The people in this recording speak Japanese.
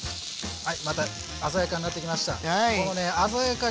はい！